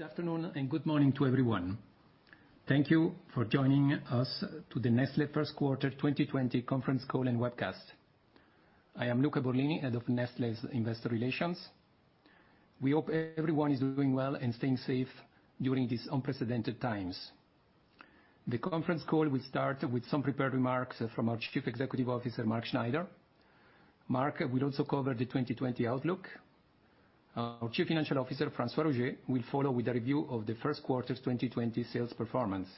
Good afternoon and good morning to everyone. Thank you for joining us to the Nestlé first quarter 2020 conference call and webcast. I am Luca Borlini, Head of Nestlé's Investor Relations. We hope everyone is doing well and staying safe during these unprecedented times. The conference call will start with some prepared remarks from our Chief Executive Officer, Mark Schneider. Mark will also cover the 2020 outlook. Our Chief Financial Officer, François-Xavier Roger, will follow with a review of the first quarter 2020 sales performance.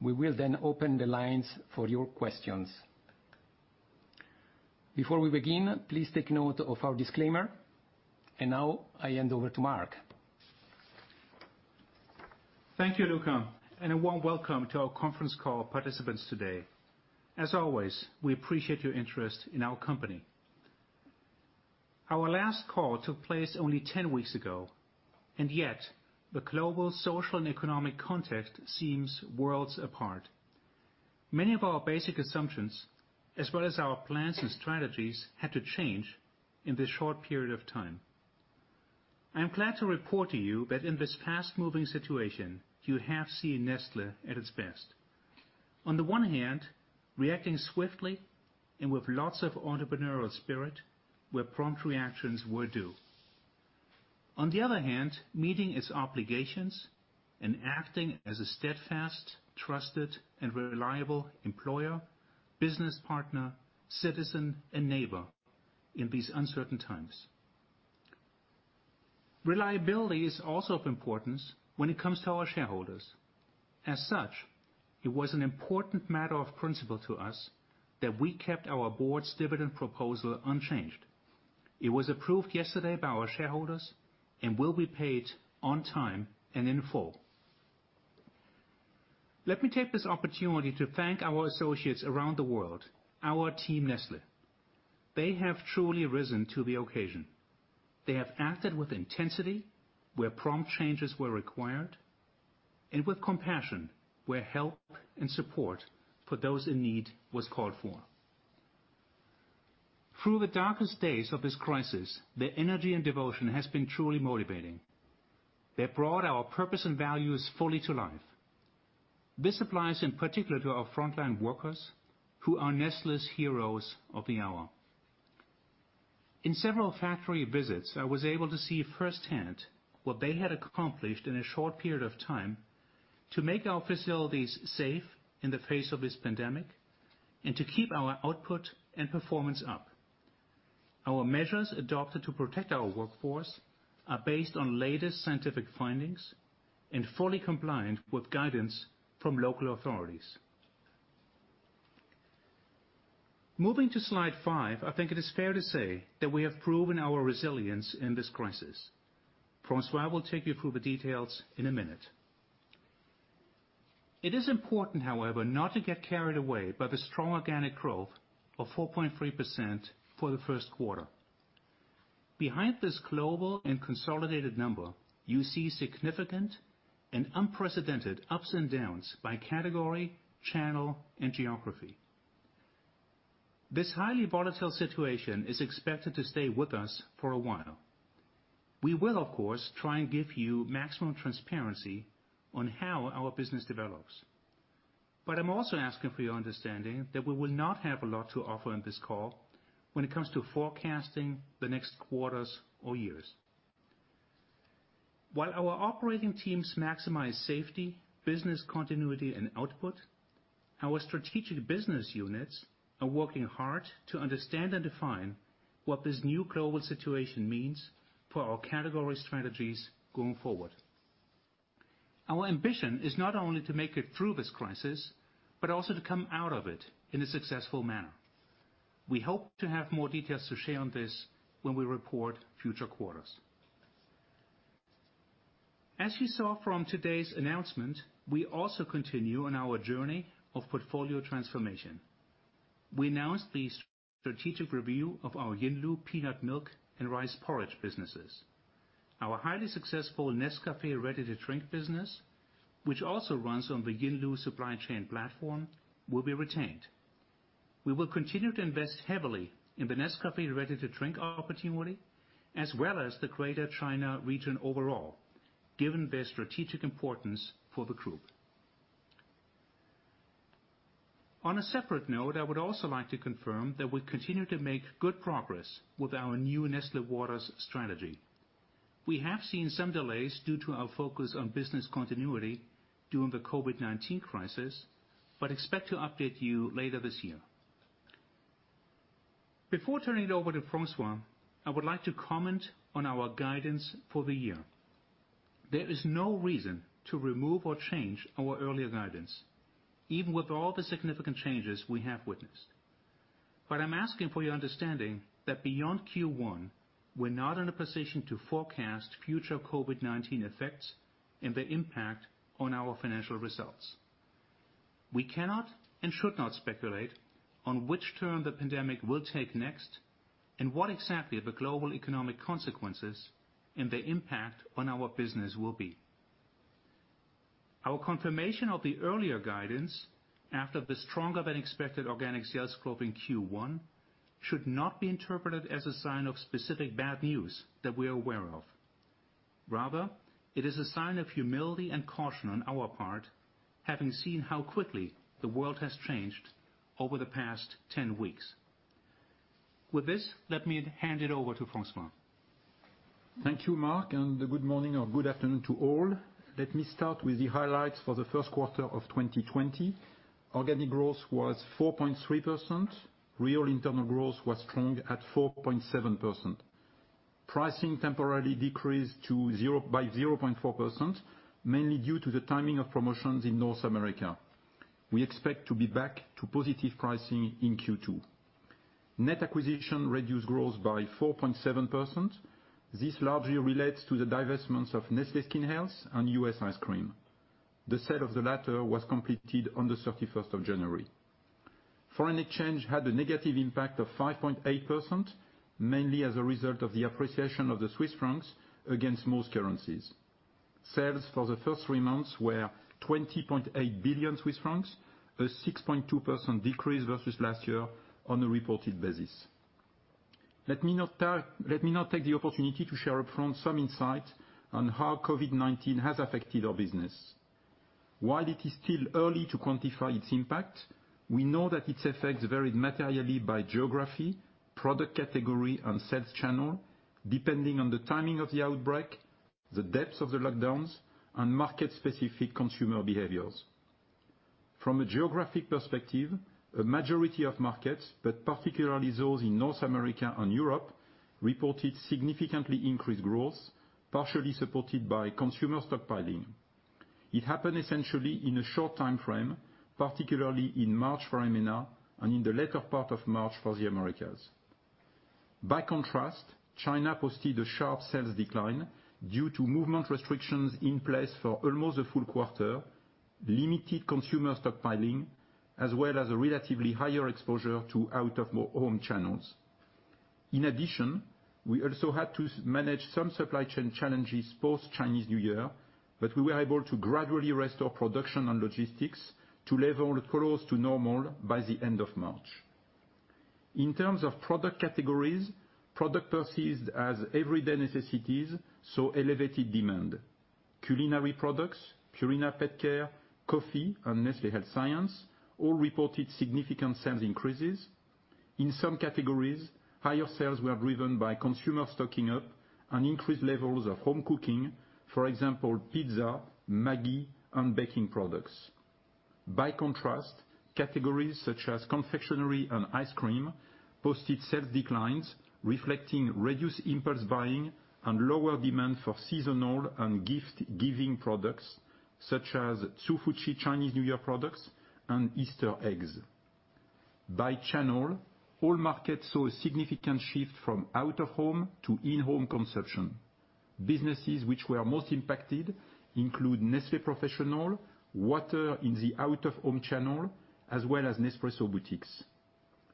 We will open the lines for your questions. Before we begin, please take note of our disclaimer. Now I hand over to Mark. Thank you, Luca. A warm welcome to our conference call participants today. As always, we appreciate your interest in our company. Our last call took place only 10 weeks ago, and yet the global, social, and economic context seems worlds apart. Many of our basic assumptions, as well as our plans and strategies, had to change in this short period of time. I am glad to report to you that in this fast-moving situation, you have seen Nestlé at its best, on the one hand, reacting swiftly and with lots of entrepreneurial spirit where prompt reactions were due, on the other hand, meeting its obligations and acting as a steadfast, trusted, and reliable employer, business partner, citizen, and neighbor in these uncertain times. Reliability is also of importance when it comes to our shareholders. As such, it was an important matter of principle to us that we kept our board's dividend proposal unchanged. It was approved yesterday by our shareholders and will be paid on time and in full. Let me take this opportunity to thank our associates around the world, our team Nestlé. They have truly risen to the occasion. They have acted with intensity where prompt changes were required, and with compassion where help and support for those in need was called for. Through the darkest days of this crisis, their energy and devotion has been truly motivating. They brought our purpose and values fully to life. This applies in particular to our frontline workers, who are Nestlé's heroes of the hour. In several factory visits, I was able to see firsthand what they had accomplished in a short period of time to make our facilities safe in the face of this pandemic and to keep our output and performance up. Our measures adopted to protect our workforce are based on latest scientific findings and fully compliant with guidance from local authorities. Moving to slide five, I think it is fair to say that we have proven our resilience in this crisis. François will take you through the details in a minute. It is important, however, not to get carried away by the strong organic growth of 4.3% for the first quarter. Behind this global and consolidated number, you see significant and unprecedented ups and downs by category, channel, and geography. This highly volatile situation is expected to stay with us for a while. We will, of course, try and give you maximum transparency on how our business develops. I'm also asking for your understanding that we will not have a lot to offer on this call when it comes to forecasting the next quarters or years. While our operating teams maximize safety, business continuity, and output, our strategic business units are working hard to understand and define what this new global situation means for our category strategies going forward. Our ambition is not only to make it through this crisis, but also to come out of it in a successful manner. We hope to have more details to share on this when we report future quarters. As you saw from today's announcement, we also continue on our journey of portfolio transformation. We announced the strategic review of our Yinlu peanut milk and rice porridge businesses. Our highly successful Nescafé ready-to-drink business, which also runs on the Yinlu supply chain platform, will be retained. We will continue to invest heavily in the Nescafé ready-to-drink opportunity, as well as the Greater China region overall, given their strategic importance for the group. On a separate note, I would also like to confirm that we continue to make good progress with our new Nestlé Waters strategy. We have seen some delays due to our focus on business continuity during the COVID-19 crisis, but expect to update you later this year. Before turning it over to François, I would like to comment on our guidance for the year. There is no reason to remove or change our earlier guidance, even with all the significant changes we have witnessed. I'm asking for your understanding that beyond Q1, we're not in a position to forecast future COVID-19 effects and their impact on our financial results. We cannot and should not speculate on which turn the pandemic will take next and what exactly the global economic consequences and their impact on our business will be. Our confirmation of the earlier guidance after the stronger than expected organic sales growth in Q1 should not be interpreted as a sign of specific bad news that we are aware of. It is a sign of humility and caution on our part, having seen how quickly the world has changed over the past 10 weeks. With this, let me hand it over to François. Thank you, Mark, and good morning or good afternoon to all. Let me start with the highlights for the first quarter of 2020. Organic growth was 4.3%. Real Internal Growth was strong at 4.7%. Pricing temporarily decreased by 0.4%, mainly due to the timing of promotions in North America. We expect to be back to positive pricing in Q2. Net acquisition reduced growth by 4.7%. This largely relates to the divestments of Nestlé Skin Health and US Ice Cream. The sale of the latter was completed on the 31st of January. Foreign exchange had a negative impact of 5.8%, mainly as a result of the appreciation of the CHF against most currencies. Sales for the first three months were 20.8 billion Swiss francs, a 6.2% decrease versus last year on a reported basis. Let me now take the opportunity to share up front some insight on how COVID-19 has affected our business. While it is still early to quantify its impact, we know that its effects varied materially by geography, product category, and sales channel, depending on the timing of the outbreak, the depths of the lockdowns, and market-specific consumer behaviors. From a geographic perspective, a majority of markets, but particularly those in North America and Europe, reported significantly increased growth, partially supported by consumer stockpiling. It happened essentially in a short time frame, particularly in March for EMENA and in the later part of March for the Americas. By contrast, China posted a sharp sales decline due to movement restrictions in place for almost a full quarter, limited consumer stockpiling, as well as a relatively higher exposure to out-of-home channels. We also had to manage some supply chain challenges post-Chinese New Year. We were able to gradually restore production and logistics to level close to normal by the end of March. In terms of product categories, products perceived as everyday necessities, so elevated demand. Culinary products, Purina PetCare, coffee, and Nestlé Health Science all reported significant sales increases. In some categories, higher sales were driven by consumer stocking up and increased levels of home cooking, for example, pizza, Maggi, and baking products. By contrast, categories such as confectionery and ice cream posted sales declines reflecting reduced impulse buying and lower demand for seasonal and gift-giving products, such as Hsu Fu Chi Chinese New Year products and Easter eggs. By channel, all markets saw a significant shift from out-of-home to in-home consumption. Businesses which were most impacted include Nestlé Professional, water in the out-of-home channel, as well as Nespresso boutiques.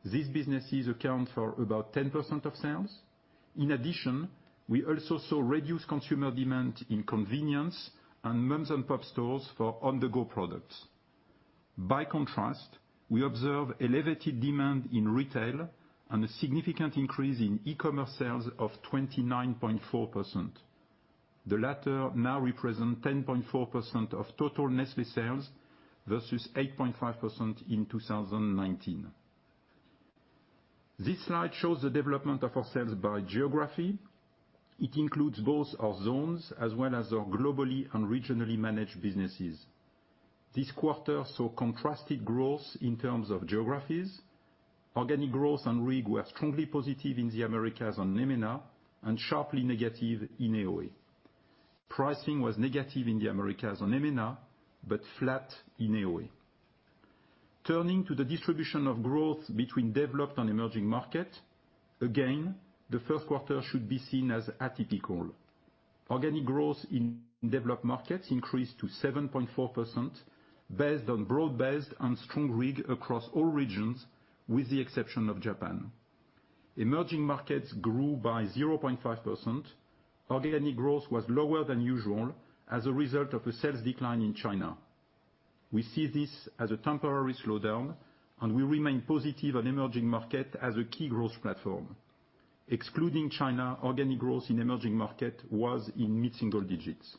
These businesses account for about 10% of sales. In addition, we also saw reduced consumer demand in convenience and moms-and-pop stores for on-the-go products. By contrast, we observe elevated demand in retail and a significant increase in e-commerce sales of 29.4%. The latter now represent 10.4% of total Nestlé sales versus 8.5% in 2019. This slide shows the development of our sales by geography. It includes both our zones as well as our globally and regionally managed businesses. This quarter saw contrasted growth in terms of geographies. Organic growth and RIG were strongly positive in the Americas and EMENA, and sharply negative in AOA. Pricing was negative in the Americas and EMENA, but flat in AOA. Turning to the distribution of growth between developed and emerging markets, again, the first quarter should be seen as atypical. Organic growth in developed markets increased to 7.4%, based on broad-based and strong RIG across all regions, with the exception of Japan. Emerging markets grew by 0.5%. Organic growth was lower than usual as a result of a sales decline in China. We see this as a temporary slowdown, and we remain positive on emerging market as a key growth platform. Excluding China, organic growth in emerging market was in mid-single digits.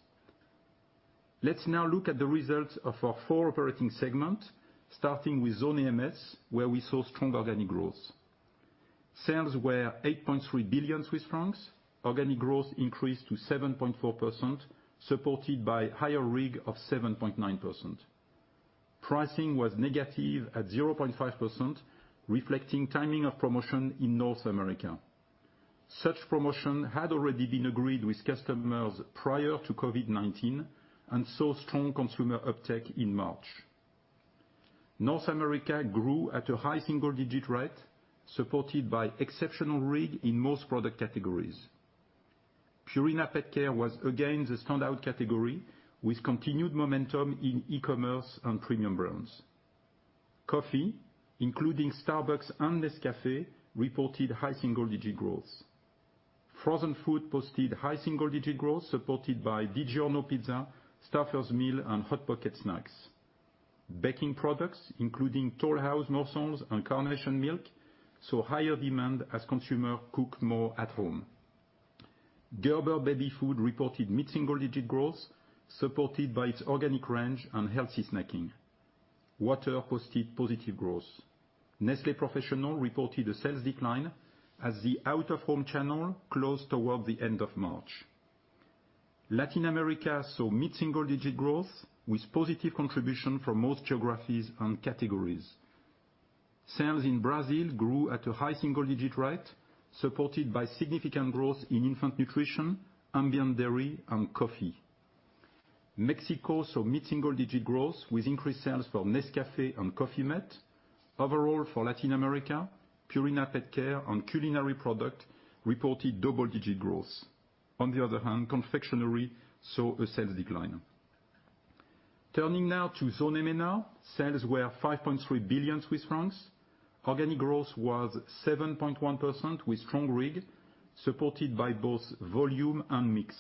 Let's now look at the results of our four operating segments, starting with Zone Americas, where we saw strong organic growth. Sales were 8.3 billion Swiss francs. Organic growth increased to 7.4%, supported by higher RIG of 7.9%. Pricing was negative at 0.5%, reflecting timing of promotion in North America. Such promotion had already been agreed with customers prior to COVID-19 and saw strong consumer uptake in March. North America grew at a high single-digit rate, supported by exceptional RIG in most product categories. Purina PetCare was again the standout category, with continued momentum in e-commerce and premium brands. Coffee, including Starbucks and Nescafé, reported high single-digit growth. Frozen food posted high single-digit growth supported by DiGiorno Pizza, Stouffer's meal, and Hot Pockets snacks. Baking products, including Toll House, Morsels, and Carnation milk, saw higher demand as consumer cook more at home. Gerber baby food reported mid-single digit growth supported by its organic range and healthy snacking. Water posted positive growth. Nestlé Professional reported a sales decline as the out-of-home channel closed toward the end of March. Latin America saw mid-single digit growth with positive contribution from most geographies and categories. Sales in Brazil grew at a high single digit rate supported by significant growth in infant nutrition, ambient dairy, and coffee. Mexico saw mid-single digit growth with increased sales for Nescafé and Coffee mate. Overall, for Latin America, Purina PetCare and culinary product reported double-digit growth. On the other hand, confectionery saw a sales decline. Turning now to Zone EMENA, sales were 5.3 billion Swiss francs. Organic growth was 7.1% with strong RIG, supported by both volume and mix.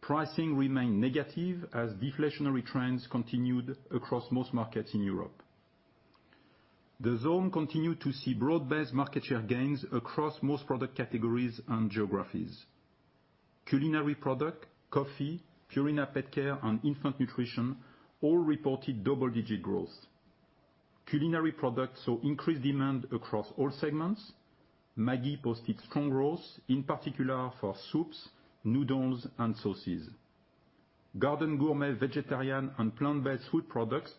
Pricing remained negative as deflationary trends continued across most markets in Europe. The zone continued to see broad-based market share gains across most product categories and geographies. Culinary product, coffee, Purina PetCare, and infant nutrition all reported double-digit growth. Culinary products saw increased demand across all segments. Maggi posted strong growth, in particular for soups, noodles, and sauces. Garden Gourmet vegetarian and plant-based food products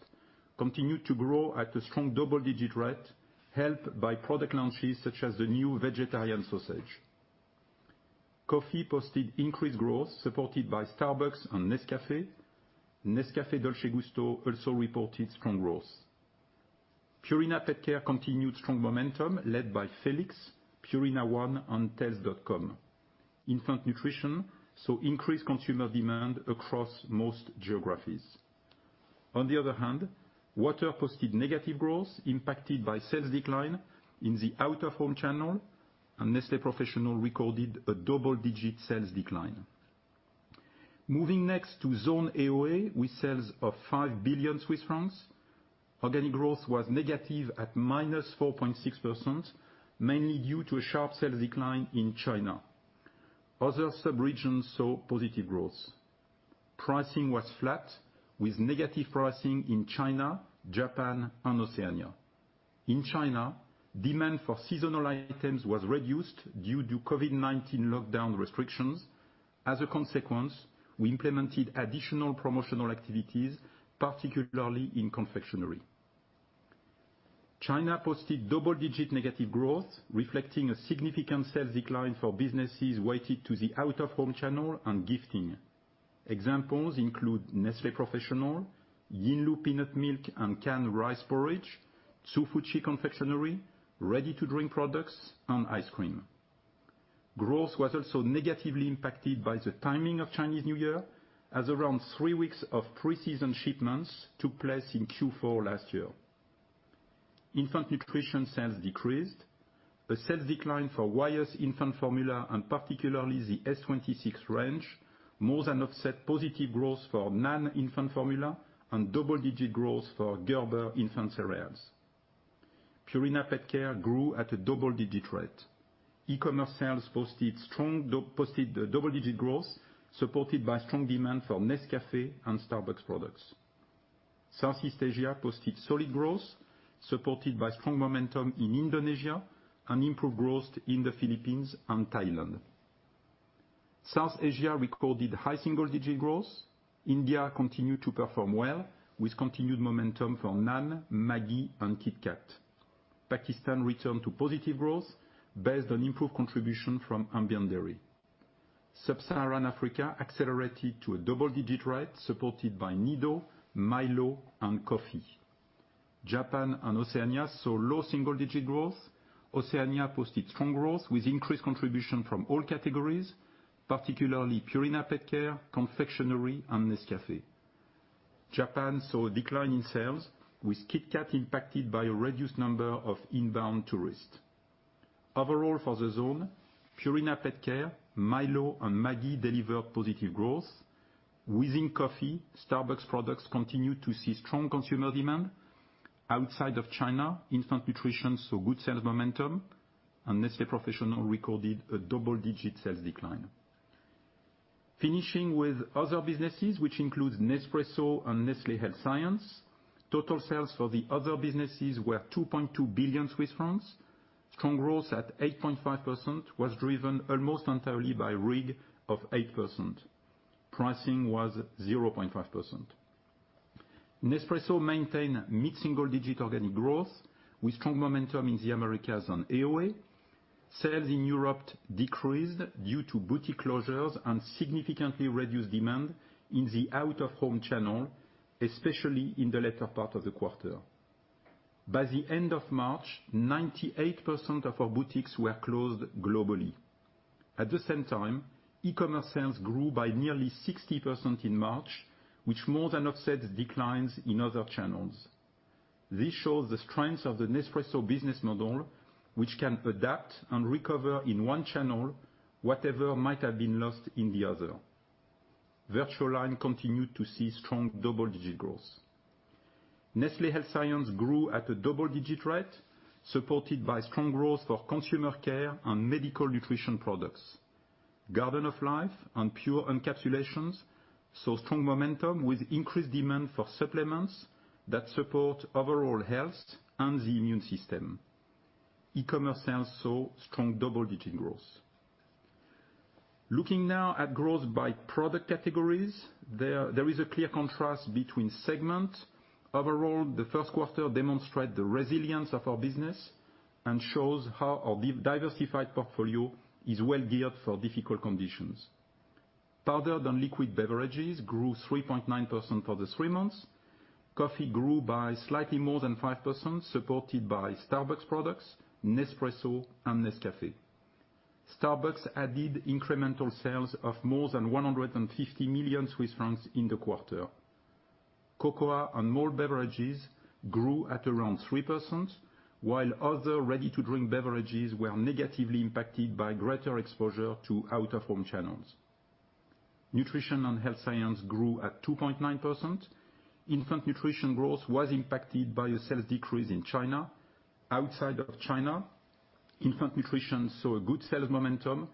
continued to grow at a strong double-digit rate, helped by product launches such as the new vegetarian sausage. Coffee posted increased growth supported by Starbucks and Nescafé. Nescafé Dolce Gusto also reported strong growth. Purina PetCare continued strong momentum led by Felix, Purina ONE, and tails.com. Infant nutrition saw increased consumer demand across most geographies. On the other hand, water posted negative growth impacted by sales decline in the out-of-home channel, and Nestlé Professional recorded a double-digit sales decline. Moving next to Zone AOA, with sales of 5 billion Swiss francs. Organic growth was negative at -4.6%, mainly due to a sharp sales decline in China. Other sub-regions saw positive growth. Pricing was flat with negative pricing in China, Japan, and Oceania. In China, demand for seasonal items was reduced due to COVID-19 lockdown restrictions. As a consequence, we implemented additional promotional activities, particularly in confectionery. China posted double-digit negative growth, reflecting a significant sales decline for businesses weighted to the out-of-home channel and gifting. Examples include Nestlé Professional, Yinlu peanut milk and canned rice porridge, Hsu Fu Chi confectionery, ready-to-drink products, and ice cream. Growth was also negatively impacted by the timing of Chinese New Year, as around three weeks of pre-season shipments took place in Q4 last year. Infant nutrition sales decreased. A sales decline for Wyeth infant formula and particularly the S-26 range, more than offset positive growth for non-infant formula and double-digit growth for Gerber infant cereals. Purina PetCare grew at a double-digit rate. e-commerce sales posted double-digit growth, supported by strong demand for Nescafé and Starbucks products. Southeast Asia posted solid growth, supported by strong momentum in Indonesia and improved growth in the Philippines and Thailand. South Asia recorded high single-digit growth. India continued to perform well with continued momentum for NAN, Maggi, and KitKat. Pakistan returned to positive growth based on improved contribution from ambient dairy. Sub-Saharan Africa accelerated to a double-digit rate supported by NIDO, MILO, and coffee. Japan and Oceania saw low single-digit growth. Oceania posted strong growth with increased contribution from all categories, particularly Purina PetCare, confectionery, and Nescafé. Japan saw a decline in sales, with KitKat impacted by a reduced number of inbound tourists. Overall, for the zone, Purina PetCare, MILO, and Maggi delivered positive growth. Within coffee, Starbucks products continued to see strong consumer demand. Outside of China, infant nutrition saw good sales momentum, and Nestlé Professional recorded a double-digit sales decline. Finishing with other businesses, which includes Nespresso and Nestlé Health Science, total sales for the other businesses were 2.2 billion Swiss francs. Strong growth at 8.5% was driven almost entirely by RIG of 8%. Pricing was 0.5%. Nespresso maintained mid-single digit organic growth with strong momentum in the Americas and AOA. Sales in Europe decreased due to boutique closures and significantly reduced demand in the out-of-home channel, especially in the latter part of the quarter. By the end of March, 98% of our boutiques were closed globally. At the same time, e-commerce sales grew by nearly 60% in March, which more than offset declines in other channels. This shows the strength of the Nespresso business model, which can adapt and recover in one channel, whatever might have been lost in the other. Vertuo line continued to see strong double-digit growth. Nestlé Health Science grew at a double-digit rate, supported by strong growth for consumer care and medical nutrition products. Garden of Life and Pure Encapsulations saw strong momentum with increased demand for supplements that support overall health and the immune system. E-commerce sales saw strong double-digit growth. Looking now at growth by product categories, there is a clear contrast between segments. Overall, the first quarter demonstrate the resilience of our business and shows how our diversified portfolio is well geared for difficult conditions. Powdered and liquid beverages grew 3.9% for the three months. Coffee grew by slightly more than 5%, supported by Starbucks products, Nespresso, and Nescafé. Starbucks added incremental sales of more than 150 million Swiss francs in the quarter. Cocoa and milk beverages grew at around 3%, while other ready-to-drink beverages were negatively impacted by greater exposure to out-of-home channels. Nutrition and Health Science grew at 2.9%. Infant nutrition growth was impacted by a sales decrease in China. Outside of China, infant nutrition saw a good sales momentum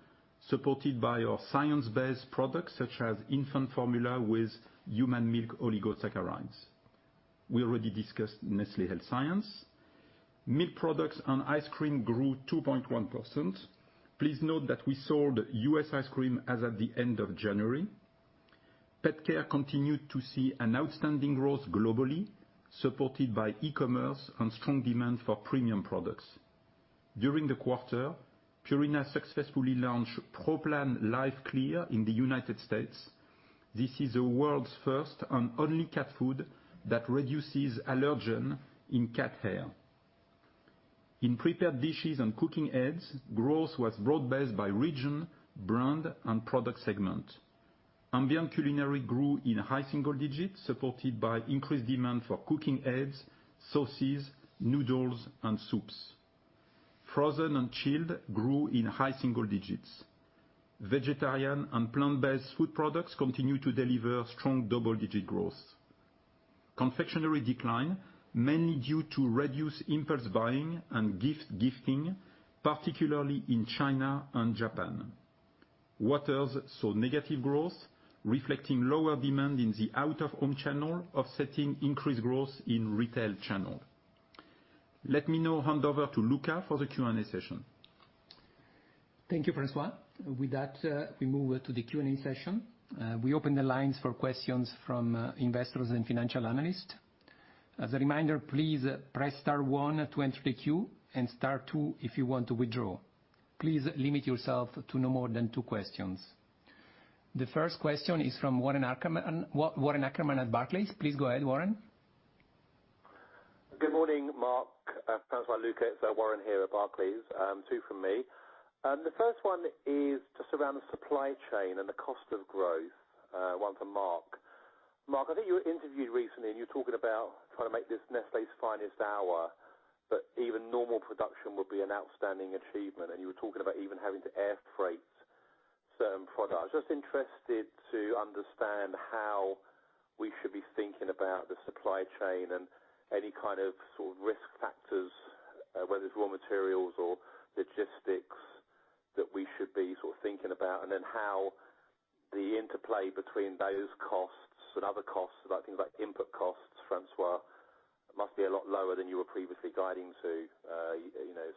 supported by our science-based products such as infant formula with human milk oligosaccharides. We already discussed Nestlé Health Science. Milk products and ice cream grew 2.1%. Please note that we sold U.S. ice cream as at the end of January. Pet care continued to see an outstanding growth globally, supported by e-commerce and strong demand for premium products. During the quarter, Purina successfully launched Pro Plan LiveClear in the United States. This is the world's first and only cat food that reduces allergen in cat hair. In prepared dishes and cooking aids, growth was broad-based by region, brand, and product segment. Ambient culinary grew in high single digits, supported by increased demand for cooking aids, sauces, noodles, and soups. Frozen and chilled grew in high single digits. Vegetarian and plant-based food products continue to deliver strong double-digit growth. Confectionery declined, mainly due to reduced impulse buying and gift-gifting, particularly in China and Japan. Waters saw negative growth, reflecting lower demand in the out-of-home channel, offsetting increased growth in retail channel. Let me now hand over to Luca for the Q&A session. Thank you, François. With that, we move to the Q&A session. We open the lines for questions from investors and financial analysts. As a reminder, please press star one to enter the queue, and star two if you want to withdraw. Please limit yourself to no more than two questions. The first question is from Warren Ackerman at Barclays. Please go ahead, Warren. Good morning, Mark, François, Luca. It's Warren here at Barclays. Two from me. The first one is just around the supply chain and the cost of growth, one for Mark. Mark, I think you were interviewed recently and you were talking about trying to make this Nestlé's finest hour, but even normal production would be an outstanding achievement, and you were talking about even having to air freight some products. I was just interested to understand how we should be thinking about the supply chain and any kind of risk factors, whether it's raw materials or logistics that we should be thinking about, how the interplay between those costs and other costs, things like input costs, François, must be a lot lower than you were previously guiding to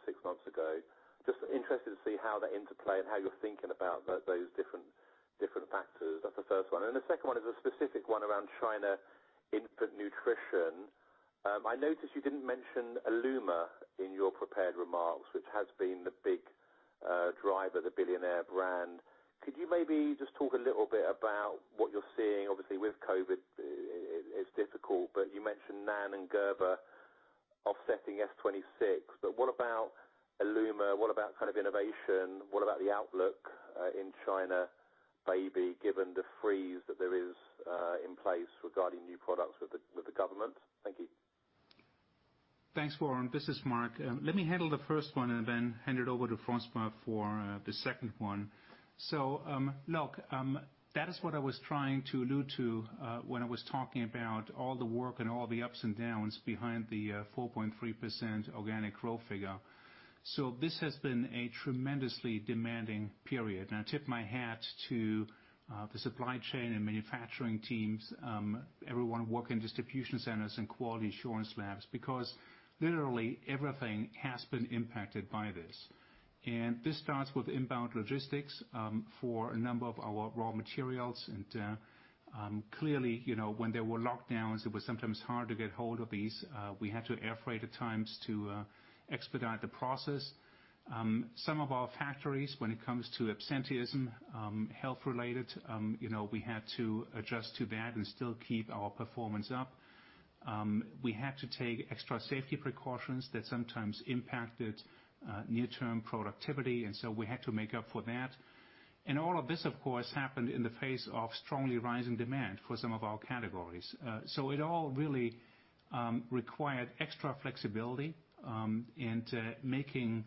six months ago. Just interested to see how they interplay and how you're thinking about those different factors. That's the first one. The second one is a specific one around China infant nutrition. I noticed you didn't mention illuma in your prepared remarks, which has been the big driver, the billionaire brand. Could you maybe just talk a little bit about what you're seeing? Obviously with COVID-19, it's difficult, but you mentioned NAN and Gerber offsetting S-26. What about illuma? What about innovation? What about the outlook in China, baby, given the freeze that there is in place regarding new products with the government? Thank you. Thanks, Warren. This is Mark. Let me handle the first one and then hand it over to François for the second one. Look, that is what I was trying to allude to when I was talking about all the work and all the ups and downs behind the 4.3% organic growth figure. This has been a tremendously demanding period, and I tip my hat to the supply chain and manufacturing teams, everyone working in distribution centers and quality assurance labs, because literally everything has been impacted by this. This starts with inbound logistics for a number of our raw materials, and clearly, when there were lockdowns, it was sometimes hard to get hold of these. We had to air freight at times to expedite the process. Some of our factories, when it comes to absenteeism, health-related, we had to adjust to that and still keep our performance up. We had to take extra safety precautions that sometimes impacted near-term productivity, and so we had to make up for that. All of this, of course, happened in the face of strongly rising demand for some of our categories. It all really required extra flexibility, and making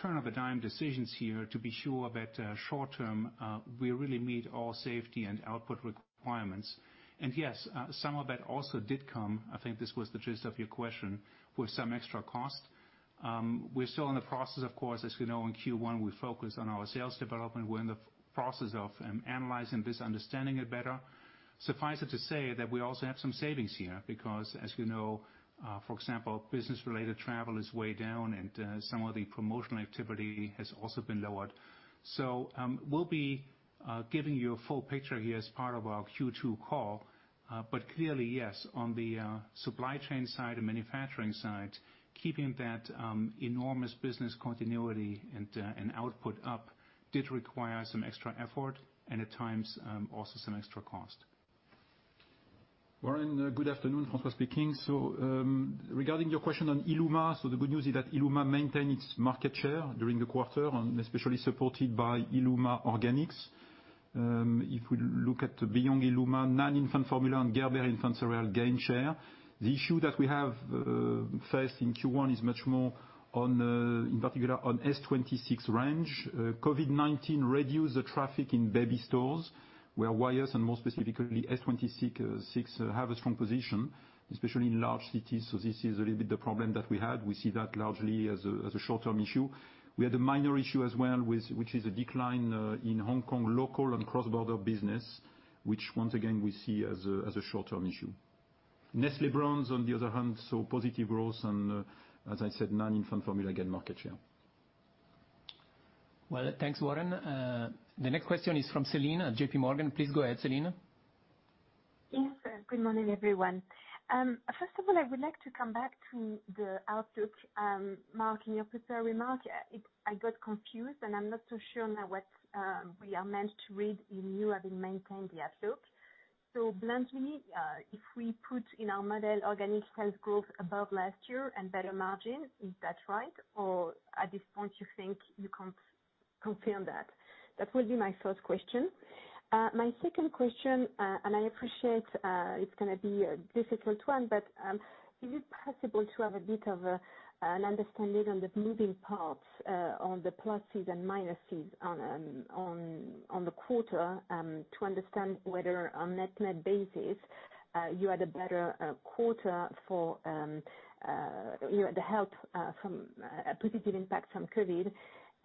turn-of-a-dime decisions here to be sure that short-term, we really meet all safety and output requirements. Yes, some of that also did come, I think this was the gist of your question, with some extra cost. We're still in the process, of course, as you know, in Q1, we focused on our sales development. We're in the process of analyzing this, understanding it better. Suffice it to say that we also have some savings here, because, as you know, for example, business-related travel is way down, and some of the promotional activity has also been lowered. We'll be giving you a full picture here as part of our Q2 call. Clearly, yes, on the supply chain side and manufacturing side, keeping that enormous business continuity and output up did require some extra effort, and at times, also some extra cost. Warren, good afternoon, François speaking. Regarding your question on illuma, the good news is that illuma maintained its market share during the quarter, and especially supported by illuma Organics. If we look at beyond illuma, non-infant formula and Gerber Infant Cereals gain share. The issue that we have faced in Q1 is much more, in particular, on S-26 range. COVID-19 reduced the traffic in baby stores, where Wyeth and more specifically, S-26, have a strong position, especially in large cities. This is a little bit the problem that we had. We see that largely as a short-term issue. We had a minor issue as well, which is a decline in Hong Kong local and cross-border business, which once again, we see as a short-term issue. Nestlé Bronze, on the other hand, saw positive growth and as I said, non-infant formula gained market share. Well, thanks, Warren. The next question is from Celine at J.P. Morgan. Please go ahead, Celine. Yes. Good morning, everyone. First of all, I would like to come back to the outlook, Mark, in your prepared remark. I got confused, and I'm not so sure now what we are meant to read in you having maintained the outlook. Bluntly, if we put in our model organic sales growth above last year and better margin, is that right? At this point, you think you can't confirm that? That will be my first question. My second question, I appreciate it's going to be a difficult one, but is it possible to have a bit of an understanding on the moving parts on the pluses and minuses on the quarter to understand whether on net-net basis, you had a better quarter for the help from a positive impact from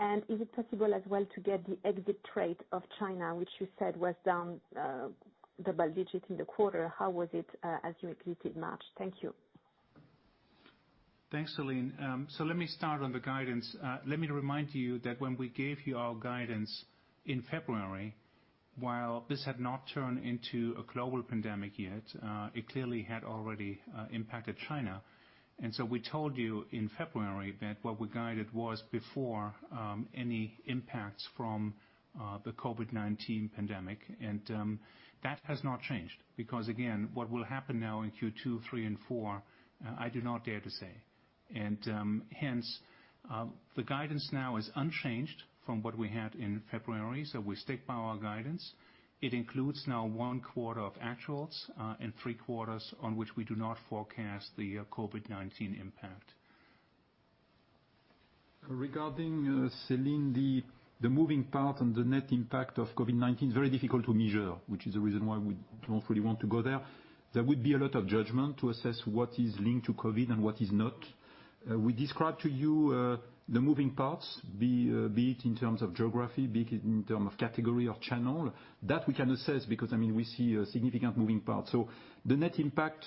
COVID-19? Is it possible as well to get the exit rate of China, which you said was down double digit in the quarter? How was it as you exited March? Thank you. Thanks, Celine. Let me start on the guidance. Let me remind you that when we gave you our guidance in February, while this had not turned into a global pandemic yet, it clearly had already impacted China. We told you in February that what we guided was before any impacts from the COVID-19 pandemic. That has not changed. Because again, what will happen now in Q2, three and four, I do not dare to say. Hence, the guidance now is unchanged from what we had in February. We stick by our guidance. It includes now one quarter of actuals and three quarters on which we do not forecast the COVID-19 impact. Regarding, Celine, the moving part and the net impact of COVID-19 is very difficult to measure, which is the reason why we don't really want to go there. There would be a lot of judgment to assess what is linked to COVID and what is not. We described to you the moving parts, be it in terms of geography, be it in term of category or channel. That we can assess because, I mean, we see a significant moving part. The net impact,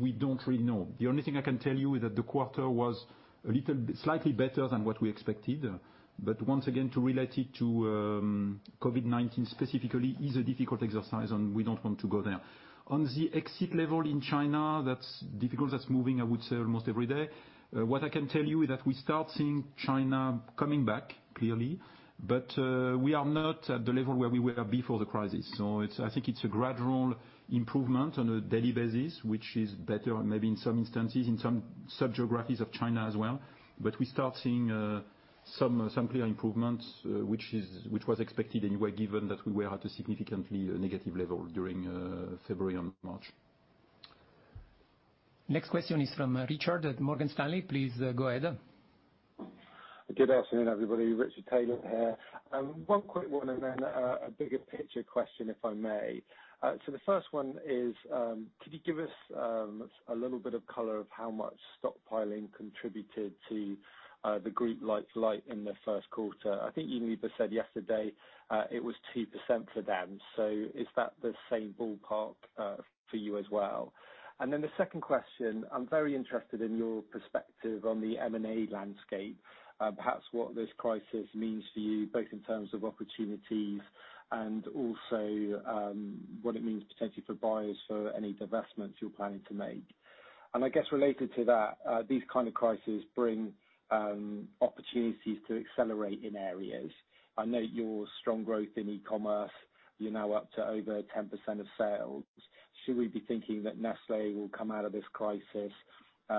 we don't really know. The only thing I can tell you is that the quarter was slightly better than what we expected. Once again, to relate it to COVID-19 specifically is a difficult exercise, and we don't want to go there. On the exit level in China, that's difficult. That's moving, I would say, almost every day. What I can tell you is that we start seeing China coming back, clearly. We are not at the level where we were before the crisis. I think it's a gradual improvement on a daily basis, which is better maybe in some instances, in some sub-geographies of China as well. We start seeing some clear improvements, which was expected anyway, given that we were at a significantly negative level during February and March. Next question is from Richard at Morgan Stanley. Please go ahead. Good afternoon, everybody. Richard Taylor here. One quick one and then a bigger picture question, if I may. The first one is, could you give us a little bit of color of how much stockpiling contributed to the group like L'Oréal in the first quarter? I think Unilever said yesterday it was 2% for them. Is that the same ballpark for you as well? The second question, I am very interested in your perspective on the M&A landscape. Perhaps what this crisis means for you, both in terms of opportunities and also what it means potentially for buyers for any divestments you are planning to make. I guess related to that, these kind of crises bring opportunities to accelerate in areas. I know your strong growth in e-commerce, you are now up to over 10% of sales. Should we be thinking that Nestlé will come out of this crisis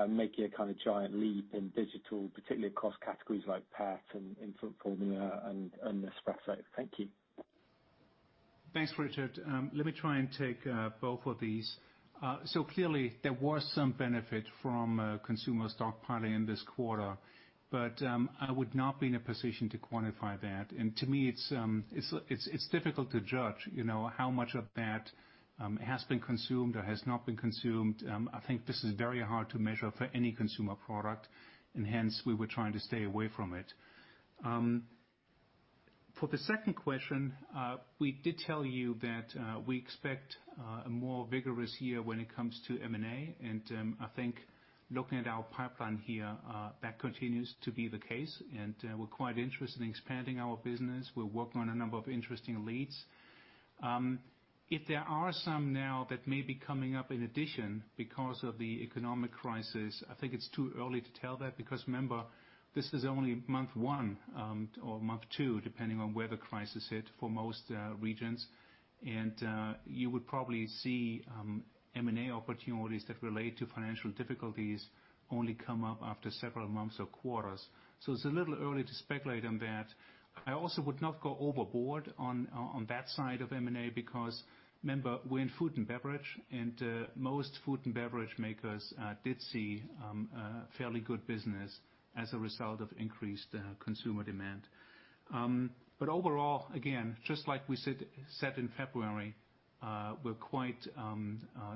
making a kind of giant leap in digital, particularly across categories like pet and infant formula and Nespresso? Thank you. Thanks, Richard. Clearly there was some benefit from consumer stockpiling this quarter, but I would not be in a position to quantify that. To me, it's difficult to judge how much of that has been consumed or has not been consumed. I think this is very hard to measure for any consumer product, and hence we were trying to stay away from it. For the second question, we did tell you that we expect a more vigorous year when it comes to M&A, and I think looking at our pipeline here, that continues to be the case. We're quite interested in expanding our business. We're working on a number of interesting leads. If there are some now that may be coming up in addition because of the economic crisis, I think it's too early to tell that because remember, this is only month one or month two, depending on where the crisis hit for most regions. You would probably see M&A opportunities that relate to financial difficulties only come up after several months or quarters. It's a little early to speculate on that. I also would not go overboard on that side of M&A because remember, we're in food and beverage, and most food and beverage makers did see fairly good business as a result of increased consumer demand. Overall, again, just like we said in February, we're quite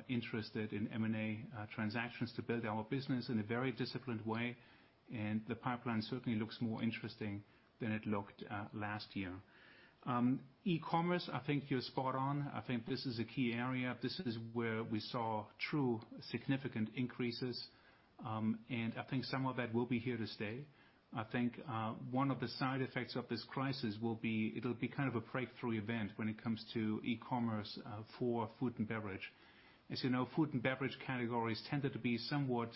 interested in M&A transactions to build our business in a very disciplined way, and the pipeline certainly looks more interesting than it looked last year. E-commerce, I think you're spot on. I think this is a key area. This is where we saw true significant increases. I think some of that will be here to stay. I think, one of the side effects of this crisis will be, it'll be kind of a breakthrough event when it comes to e-commerce for food and beverage. As you know, food and beverage categories tended to be somewhat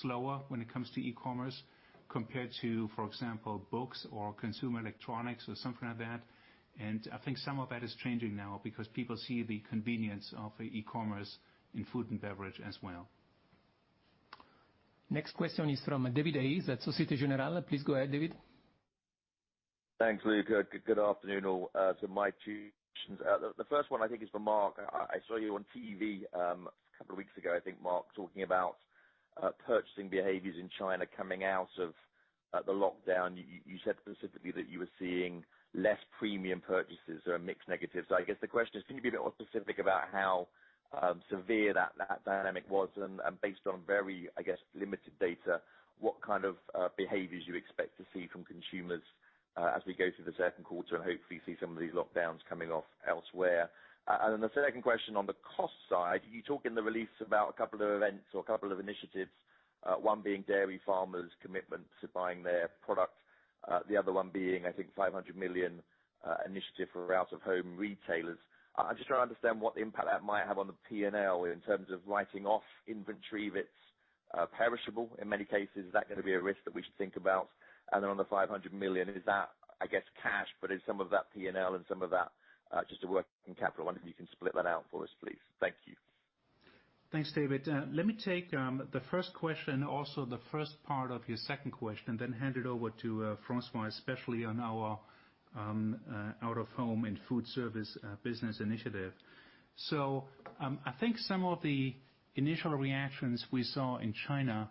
slower when it comes to e-commerce compared to, for example, books or consumer electronics or something like that. I think some of that is changing now because people see the convenience of e-commerce in food and beverage as well. Next question is from David Hayes at Société Générale. Please go ahead, David. Thanks, Luca. Good afternoon. My two questions. The first one I think is for Mark. I saw you on TV a couple of weeks ago, I think Mark, talking about purchasing behaviors in China coming out of the lockdown. You said specifically that you were seeing less premium purchases or a mix negative. I guess the question is, can you be a bit more specific about how severe that dynamic was and based on very, I guess, limited data, what kind of behaviors you expect to see from consumers as we go through the second quarter and hopefully see some of these lockdowns coming off elsewhere? The second question on the cost side, you talk in the release about a couple of events or a couple of initiatives. One being dairy farmers' commitment to buying their product. The other one being, I think 500 million initiative for out-of-home retailers. I'm just trying to understand what the impact that might have on the P&L in terms of writing off inventory that's perishable in many cases. Is that going to be a risk that we should think about? On the 500 million, is that, I guess, cash, but is some of that P&L and some of that just a working capital? I wonder if you can split that out for us, please. Thank you. Thanks, David. Let me take the first question, also the first part of your second question, then hand it over to François, especially on our out-of-home and food service business initiative. I think some of the initial reactions we saw in China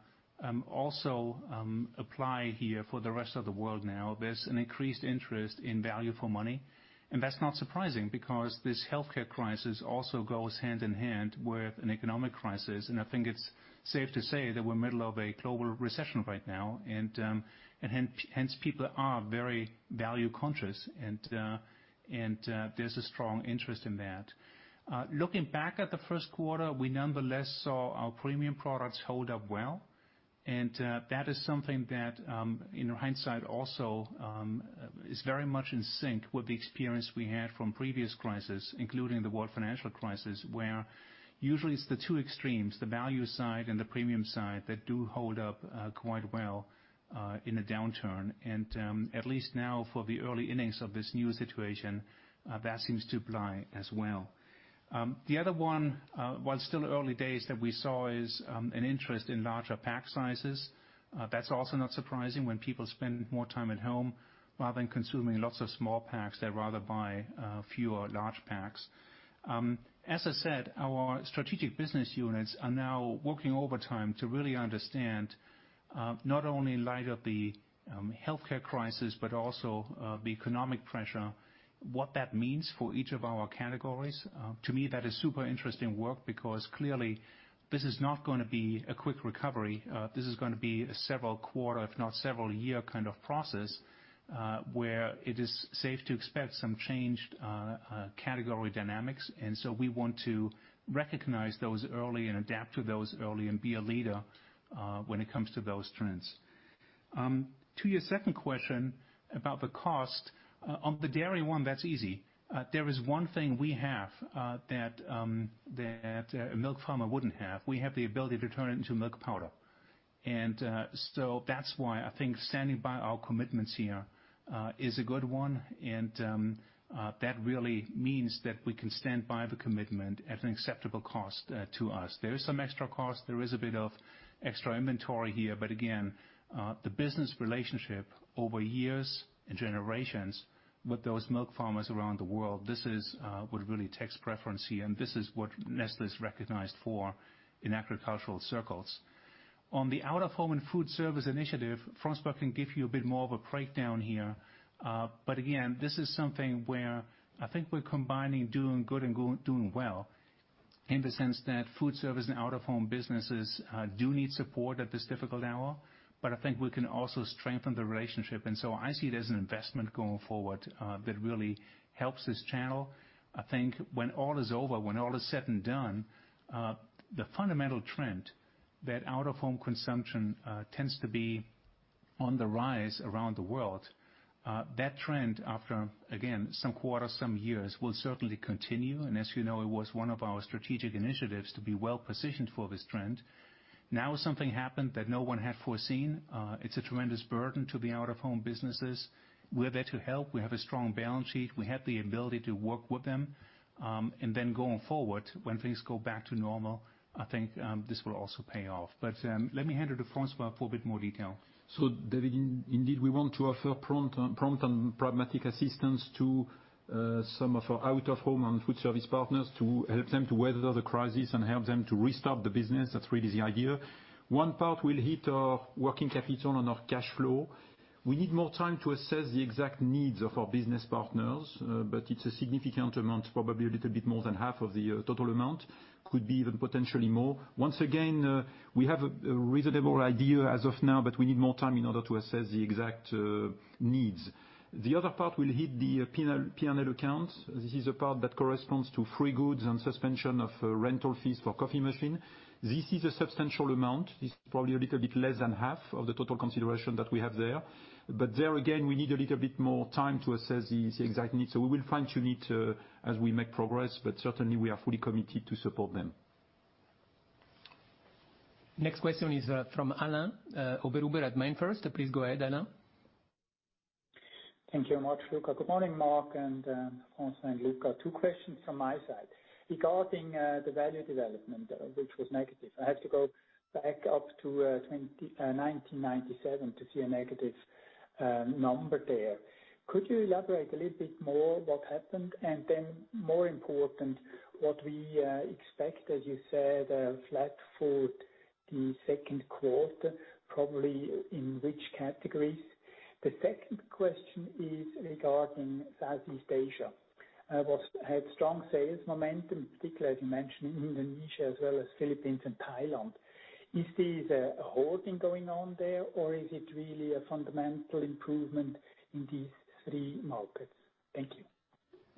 also apply here for the rest of the world now. There's an increased interest in value for money, and that's not surprising because this healthcare crisis also goes hand in hand with an economic crisis. I think it's safe to say that we're middle of a global recession right now. Hence people are very value conscious and there's a strong interest in that. Looking back at the first quarter, we nonetheless saw our premium products hold up well. That is something that, in hindsight also, is very much in sync with the experience we had from previous crisis, including the World Financial Crisis, where usually it's the two extremes, the value side and the premium side that do hold up quite well in a downturn. At least now for the early innings of this new situation, that seems to apply as well. The other one, while it's still early days that we saw is an interest in larger pack sizes. That's also not surprising when people spend more time at home. Rather than consuming lots of small packs, they'd rather buy fewer large packs. As I said, our strategic business units are now working overtime to really understand, not only in light of the healthcare crisis, but also the economic pressure, what that means for each of our categories. To me, that is super interesting work because clearly this is not going to be a quick recovery. This is going to be a several quarter, if not several year kind of process, where it is safe to expect some changed category dynamics. We want to recognize those early and adapt to those early and be a leader when it comes to those trends. To your second question about the cost. On the dairy one, that's easy. There is one thing we have that a milk farmer wouldn't have. We have the ability to turn it into milk powder. That's why I think standing by our commitments here is a good one, and that really means that we can stand by the commitment at an acceptable cost to us. There is some extra cost. There is a bit of extra inventory here. Again, the business relationship over years and generations with those milk farmers around the world, this is what really takes preference here, and this is what Nestlé is recognized for in agricultural circles. On the out-of-home and food service initiative, François can give you a bit more of a breakdown here. Again, this is something where I think we're combining doing good and doing well in the sense that food service and out-of-home businesses do need support at this difficult hour. I think we can also strengthen the relationship. I see it as an investment going forward that really helps this channel. I think when all is over, when all is said and done, the fundamental trend that out-of-home consumption tends to be on the rise around the world. That trend after, again, some quarters, some years, will certainly continue. As you know, it was one of our strategic initiatives to be well-positioned for this trend. Something happened that no one had foreseen. It's a tremendous burden to the out-of-home businesses. We're there to help. We have a strong balance sheet. We have the ability to work with them, and then going forward, when things go back to normal, I think this will also pay off. Let me hand it to François for a bit more detail. David, indeed, we want to offer prompt and pragmatic assistance to some of our out-of-home and food service partners to help them to weather the crisis and help them to restart the business. That's really the idea. One part will hit our working capital and our cash flow. We need more time to assess the exact needs of our business partners, but it's a significant amount, probably a little bit more than half of the total amount, could be even potentially more. Once again, we have a reasonable idea as of now, but we need more time in order to assess the exact needs. The other part will hit the P&L account. This is the part that corresponds to free goods and suspension of rental fees for coffee machine. This is a substantial amount. This is probably a little bit less than half of the total consideration that we have there. There, again, we need a little bit more time to assess the exact needs. We will fine-tune it as we make progress, but certainly, we are fully committed to support them. Next question is from Alain Oberhuber at MainFirst. Please go ahead, Alain. Thank you much, Luca. Good morning, Mark and François and Luca. Two questions from my side. Regarding the value development, which was negative, I have to go back up to 1997 to see a negative number there. Could you elaborate a little bit more what happened and more important, what we expect, as you said, flat for the second quarter, probably in which categories? The second question is regarding Southeast Asia. It had strong sales momentum, particularly as you mentioned Indonesia as well as Philippines and Thailand. Is this a halting going on there or is it really a fundamental improvement in these three markets? Thank you.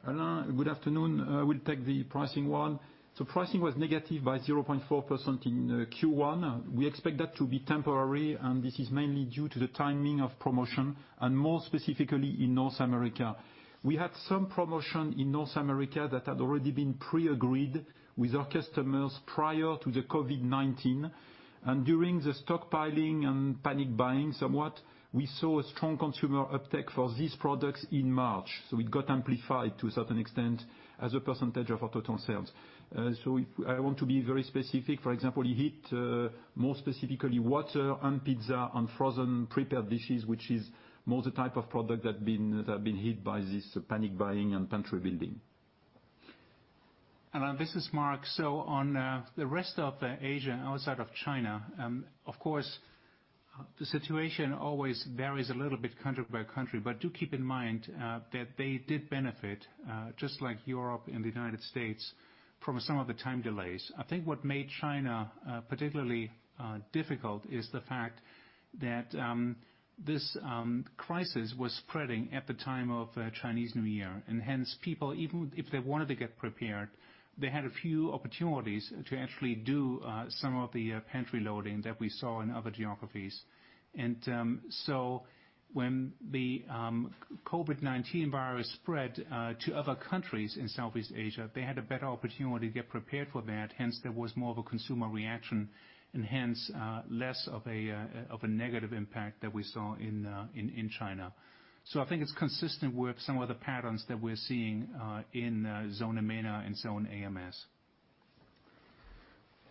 Alain, good afternoon. I will take the pricing one. Pricing was negative by 0.4% in Q1. We expect that to be temporary and this is mainly due to the timing of promotion and more specifically in North America. We had some promotion in North America that had already been pre-agreed with our customers prior to the COVID-19. During the stockpiling and panic buying somewhat, we saw a strong consumer uptake for these products in March. It got amplified to a certain extent as a percentage of our total sales. I want to be very specific. For example, it hit more specifically water and pizza and frozen prepared dishes, which is more the type of product that have been hit by this panic buying and pantry building. Alain, this is Mark. On the rest of Asia outside of China, of course, the situation always varies a little bit country by country. Do keep in mind that they did benefit, just like Europe and the United States, from some of the time delays. I think what made China particularly difficult is the fact that this crisis was spreading at the time of Chinese New Year, and hence people, even if they wanted to get prepared, they had a few opportunities to actually do some of the pantry loading that we saw in other geographies. When the COVID-19 virus spread to other countries in Southeast Asia, they had a better opportunity to get prepared for that. There was more of a consumer reaction and hence less of a negative impact than we saw in China. I think it's consistent with some of the patterns that we're seeing in Zone EMENA and Zone Americas.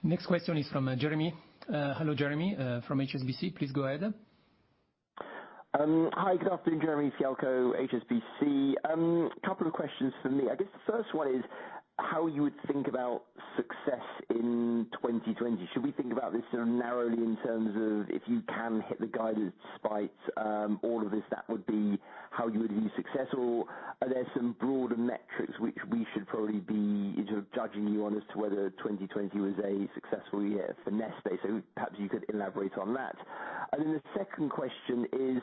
Next question is from Jeremy. Hello, Jeremy from HSBC. Please go ahead. Hi, good afternoon. Jeremy Fialko, HSBC. Couple of questions from me. I guess the first one is how you would think about success in 2020. Should we think about this sort of narrowly in terms of if you can hit the guidance despite all of this, that would be how you would view success? Are there some broader metrics which we should probably be sort of judging you on as to whether 2020 was a successful year for Nestlé? Perhaps you could elaborate on that. The second question is,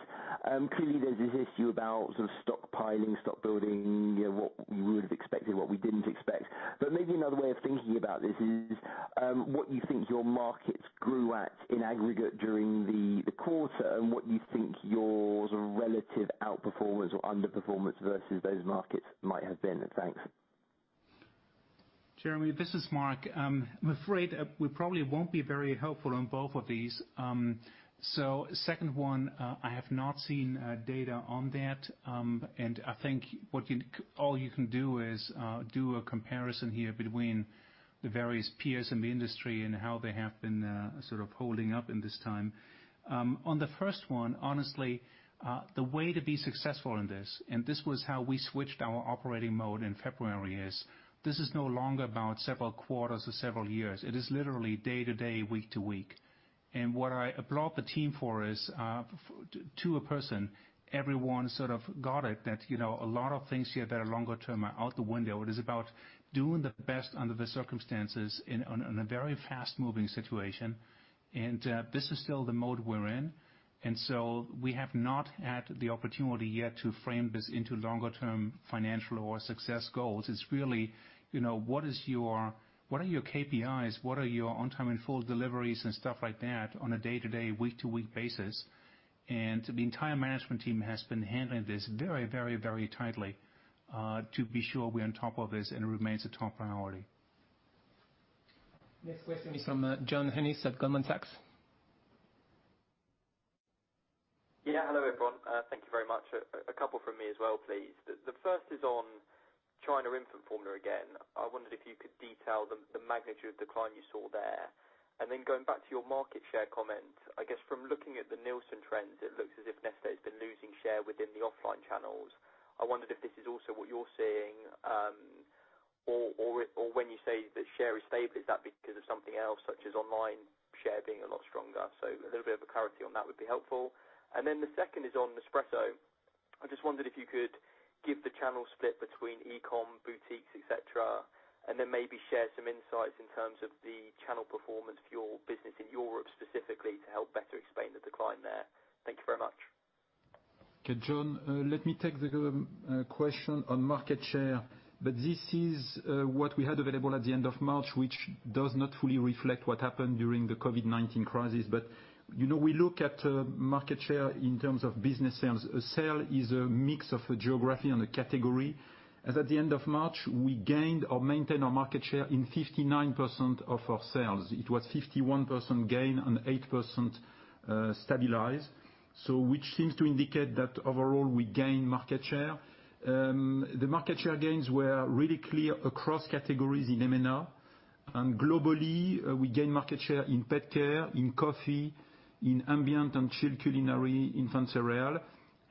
clearly there's this issue about sort of stockpiling, stock building, what we would have expected, what we didn't expect. Maybe another way of thinking about this is what you think your markets grew at in aggregate during the quarter and what you think your sort of relative outperformance or underperformance versus those markets might have been. Thanks. Jeremy, this is Mark. I'm afraid we probably won't be very helpful on both of these. Second one, I have not seen data on that. I think all you can do is do a comparison here between the various peers in the industry and how they have been holding up in this time. On the first one, honestly, the way to be successful in this, and this was how we switched our operating mode in February, is this is no longer about several quarters or several years. It is literally day to day, week to week. What I applaud the team for is, to a person, everyone sort of got it that a lot of things here that are longer term are out the window. It is about doing the best under the circumstances in a very fast-moving situation, and this is still the mode we're in. We have not had the opportunity yet to frame this into longer term financial or success goals. It's really, what are your KPIs? What are your on-time and full deliveries and stuff like that on a day-to-day, week-to-week basis? The entire management team has been handling this very tightly, to be sure we're on top of this, and it remains a top priority. Next question is from John Ennis at Goldman Sachs. Yeah. Hello, everyone. Thank you very much. A couple from me as well, please. The first is on China infant formula again. I wondered if you could detail the magnitude of decline you saw there. Going back to your market share comment, I guess from looking at the Nielsen trends, it looks as if Nestlé has been losing share within the offline channels. I wondered if this is also what you're seeing, or when you say the share is stable, is that because of something else such as online share being a lot stronger? A little bit of clarity on that would be helpful. The second is on Nespresso. I just wondered if you could give the channel split between e-com, boutiques, et cetera, and then maybe share some insights in terms of the channel performance for your business in Europe specifically to help better explain the decline there. Thank you very much. Okay, John, let me take the question on market share. This is what we had available at the end of March, which does not fully reflect what happened during the COVID-19 crisis. We look at market share in terms of business sales. A sale is a mix of a geography and a category. As at the end of March, we gained or maintained our market share in 59% of our sales. It was 51% gain and 8% stabilized. Which seems to indicate that overall, we gain market share. The market share gains were really clear across categories in M&A. Globally, we gain market share in pet care, in coffee, in ambient and chilled culinary, infant cereal.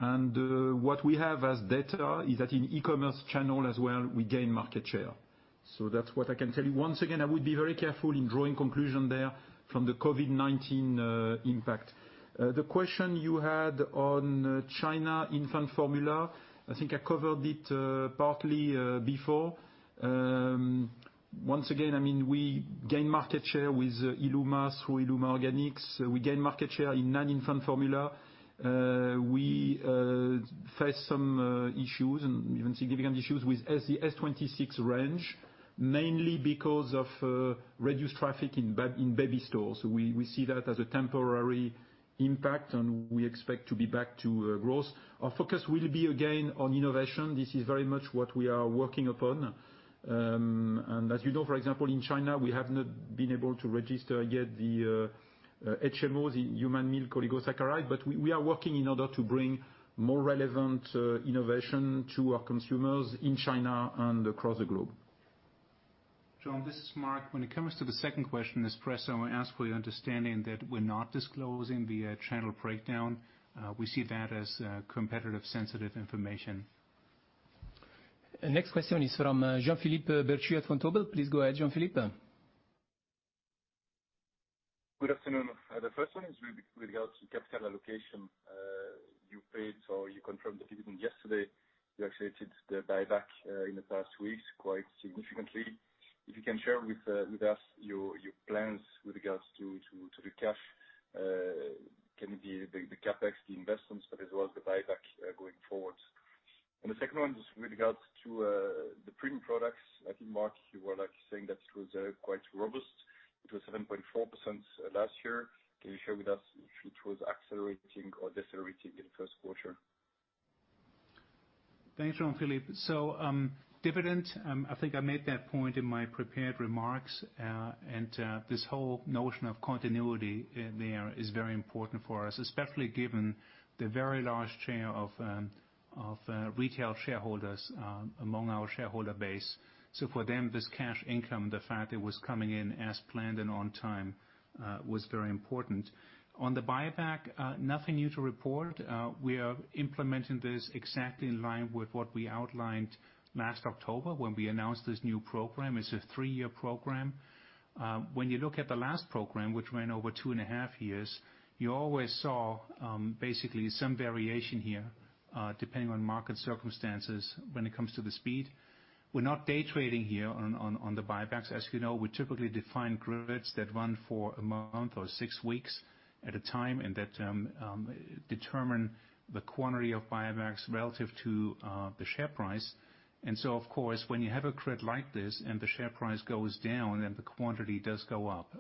What we have as data is that in e-commerce channel as well, we gain market share. That's what I can tell you. Once again, I would be very careful in drawing conclusion there from the COVID-19 impact. The question you had on China infant formula, I think I covered it partly before. Once again, we gain market share with illuma through illuma Organics. We gain market share in non-infant formula. We face some issues and even significant issues with the S-26 range, mainly because of reduced traffic in baby stores. We see that as a temporary impact, and we expect to be back to growth. Our focus will be, again, on innovation. This is very much what we are working upon. As you know, for example, in China, we have not been able to register yet the HMO, the human milk oligosaccharide, but we are working in order to bring more relevant innovation to our consumers in China and across the globe. John, this is Mark. When it comes to the second question, Nespresso, I ask for your understanding that we're not disclosing the channel breakdown. We see that as competitive sensitive information. Next question is from Jean-Philippe Bertschy at Vontobel. Please go ahead, Jean-Philippe. Good afternoon. The first one is with regards to capital allocation. You paid or you confirmed the dividend yesterday. You accelerated the buyback in the past weeks quite significantly. If you can share with us your plans with regards to the cash, can it be the CapEx investments, but as well as the buyback going forward? The second one is with regards to the premium products. I think, Mark, you were saying that it was quite robust. It was 7.4% last year. Can you share with us if it was accelerating or decelerating in the first quarter? Thanks, Jean-Philippe. Dividend, I think I made that point in my prepared remarks, and this whole notion of continuity there is very important for us, especially given the very large share of retail shareholders among our shareholder base. For them, this cash income, the fact it was coming in as planned and on time, was very important. On the buyback, nothing new to report. We are implementing this exactly in line with what we outlined last October when we announced this new program. It's a three-year program. When you look at the last program, which ran over two and a half years, you always saw basically some variation here, depending on market circumstances when it comes to the speed. We're not day trading here on the buybacks. As you know, we typically define grids that run for a month or six weeks at a time, and that determine the quantity of buybacks relative to the share price. Of course, when you have a grid like this and the share price goes down, then the quantity does go up.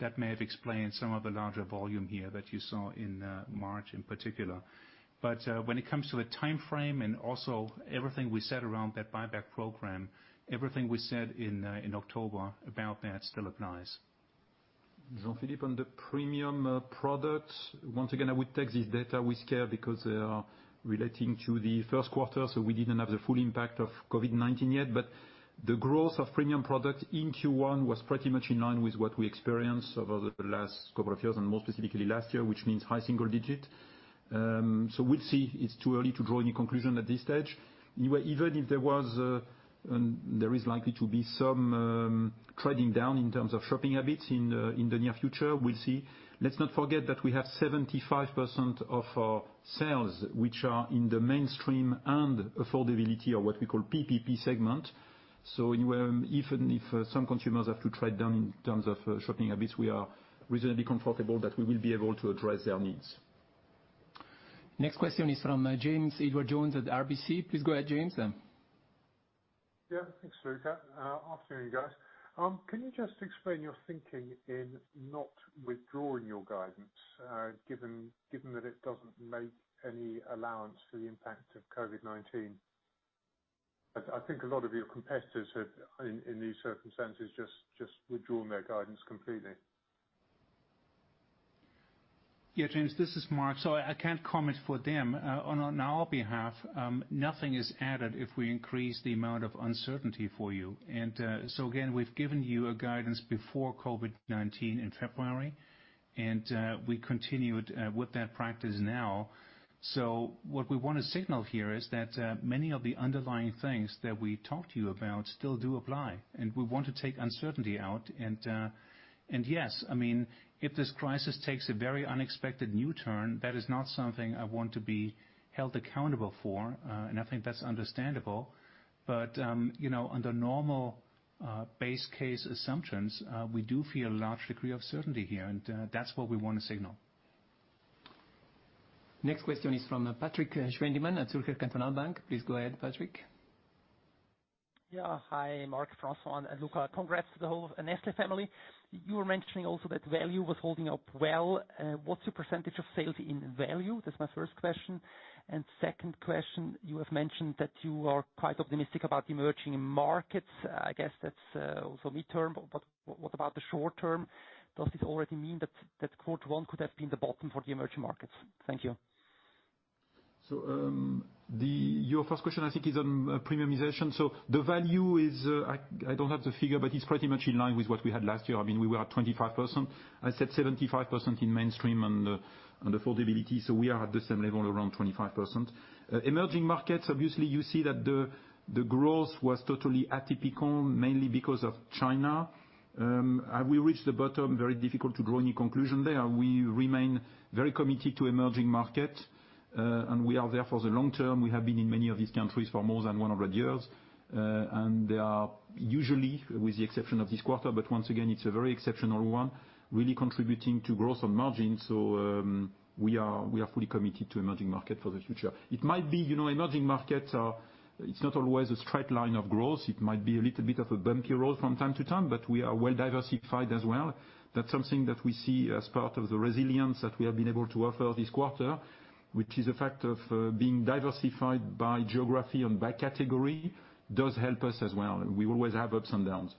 That may have explained some of the larger volume here that you saw in March in particular. When it comes to the timeframe and also everything we said around that buyback program, everything we said in October about that still applies. Jean-Philippe, on the premium products, once again, I would take this data with care because they are relating to the first quarter, so we didn't have the full impact of COVID-19 yet. The growth of premium products in Q1 was pretty much in line with what we experienced over the last couple of years, and more specifically last year, which means high single digit. We'll see. It's too early to draw any conclusion at this stage. Even if there is likely to be some trading down in terms of shopping habits in the near future, we'll see. Let's not forget that we have 75% of our sales which are in the mainstream and affordability, or what we call PPP segment. Even if some consumers have to trade down in terms of shopping habits, we are reasonably comfortable that we will be able to address their needs. Next question is from James Edwardes Jones at RBC. Please go ahead, James. Yeah, thanks, Luca. Afternoon, guys. Can you just explain your thinking in not withdrawing your guidance, given that it doesn't make any allowance for the impact of COVID-19? I think a lot of your competitors have, in these circumstances, just withdrawn their guidance completely. Yeah, James, this is Mark. I can't comment for them. On our behalf, nothing is added if we increase the amount of uncertainty for you. Again, we've given you a guidance before COVID-19 in February, and we continued with that practice now. What we want to signal here is that many of the underlying things that we talked to you about still do apply, and we want to take uncertainty out. Yes, if this crisis takes a very unexpected new turn, that is not something I want to be held accountable for. I think that's understandable. Under normal base case assumptions, we do feel a large degree of certainty here, and that's what we want to signal. Next question is from Patrik Schwendimann at Zürcher Kantonalbank. Please go ahead, Patrik. Yeah. Hi, Mark, François, and Luca. Congrats to the whole of Nestlé family. What's your percentage of sales in value? That's my first question. Second question, you have mentioned that you are quite optimistic about emerging markets. I guess that's also midterm, but what about the short term? Does this already mean that quarter one could have been the bottom for the emerging markets? Thank you. Your first question, I think, is on premiumization. The value is, I don't have the figure, but it's pretty much in line with what we had last year. We were at 25%. I said 75% in mainstream and affordability, we are at the same level, around 25%. Emerging markets, obviously, you see that the growth was totally atypical, mainly because of China. Have we reached the bottom? Very difficult to draw any conclusion there. We remain very committed to emerging markets. We are there for the long term. We have been in many of these countries for more than 100 years. They are usually, with the exception of this quarter, once again, it's a very exceptional one, really contributing to growth on margin. We are fully committed to emerging markets for the future. Emerging markets are not always a straight line of growth. It might be a little bit of a bumpy road from time to time, but we are well diversified as well. That's something that we see as part of the resilience that we have been able to offer this quarter, which is a fact of being diversified by geography and by category does help us as well. We always have ups and downs.